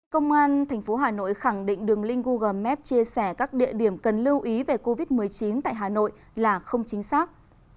công an tp hà nội khẳng định đường link google maps chia sẻ các địa điểm cần lưu ý về covid một mươi chín tại hà nội là không chính xác